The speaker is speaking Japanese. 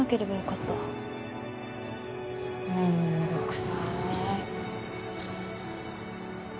面倒くさい。